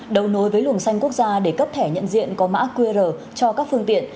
đầu nối với luồng xanh quốc gia để cấp thẻ nhận diện có mã qr cho các phương tiện